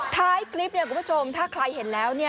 ท้ายคลิปคุณผู้ชมถ้าใครเห็นแล้ว